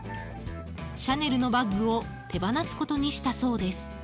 シャネルのバッグを手放すことにしたそうです。